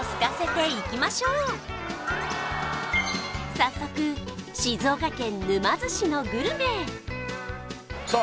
早速静岡県沼津市のグルメさあ